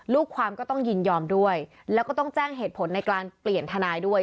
ลูกความก็ต้องยินยอมด้วยแล้วก็ต้องแจ้งเหตุผลในการเปลี่ยนทนายด้วย